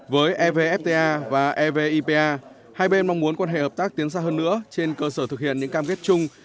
với evfta và evipa hai bên mong muốn quan hệ hợp tác tiến xa hơn nữa trên cơ sở thực hiện những cam kết chung